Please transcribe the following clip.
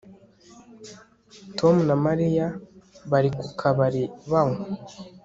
Tom na Mariya bari ku kabari banywa